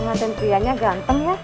pengantin prianya ganteng ya